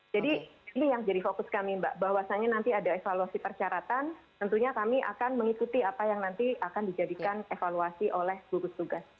jadi ini yang jadi fokus kami mbak bahwasannya nanti ada evaluasi persyaratan tentunya kami akan mengikuti apa yang nanti akan dijadikan evaluasi oleh gugus tugas